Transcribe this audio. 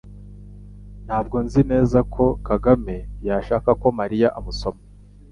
Ntabwo nzi neza ko Kagame yashaka ko Mariya amusoma